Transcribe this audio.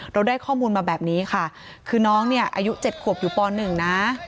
เราได้ข้อมูลมาแบบนี้ค่ะคือน้องเนี่ยอายุ๗ขวบอยู่ป๑นะ